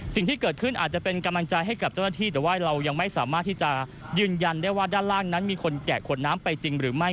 สิ่งที่เกิดขึ้นอาจจะเป็นกำลังใจให้กับเจ้าหน้าที่แต่ว่าเรายังไม่สามารถที่จะยืนยันได้ว่าด้านล่างนั้นมีคนแกะขวดน้ำไปจริงหรือไม่